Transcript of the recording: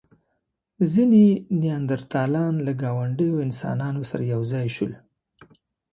ځینې نیاندرتالان له ګاونډيو انسانانو سره یو ځای شول.